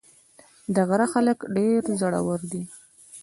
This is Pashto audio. د غره خلک ډېر زړور دي.